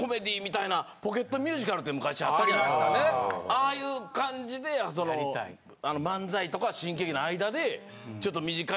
ああいう感じで漫才とか新喜劇の間でちょっと短い。